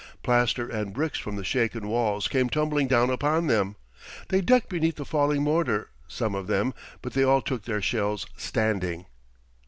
Plaster and bricks from the shaken walls came tumbling down upon them. They ducked beneath the falling mortar, some of them, but they all took their shells standing.